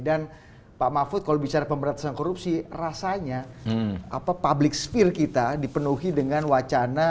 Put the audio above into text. dan pak mahfud kalau bicara pemberantasan korupsi rasanya public sphere kita dipenuhi dengan wacana